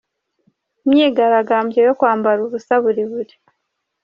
Imyigarambyo yo kwambara ubusa buri buri.